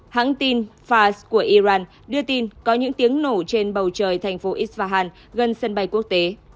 hãng tin fas của iran đưa tin có những tiếng nổ trên bầu trời thành phố isvahan gần sân bay quốc tế